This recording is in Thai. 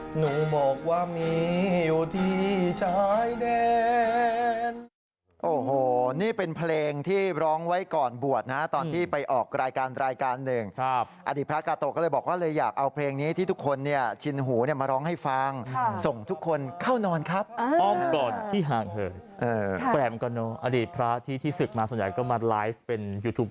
หนูบอกว่ามีอยู่ที่ชายแดน